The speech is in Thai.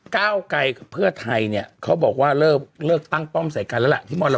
ก้าวไกลกับเพื่อไทยเนี่ยเขาบอกว่าเลิกตั้งป้อมใส่กันแล้วล่ะที่มร